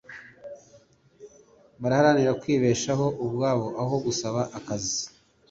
baharanira kwibeshaho ubwabo aho gusaba akazi